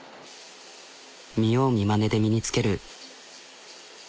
見よう見まねで身につける。